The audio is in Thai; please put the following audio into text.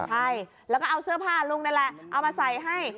ใช่แล้วก็เอาเสื้อผ้าลุงนั่นแหละเอามาใส่ให้